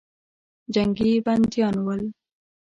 جنګي بندیان ول.